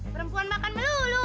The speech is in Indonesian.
perempuan makan melulu